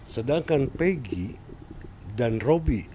sedangkan pegi dan robi